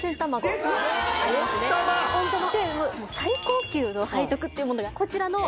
でもう最高級の背徳っていうものがこちらの。